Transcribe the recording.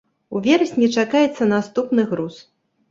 У верасні чакаецца наступны груз.